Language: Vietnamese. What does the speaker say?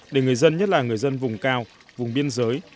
để người dân nhất là người dân vùng cao vùng biên giới